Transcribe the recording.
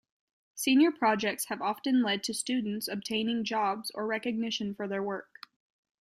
Senior projects have often led to students obtaining jobs or recognition for their work.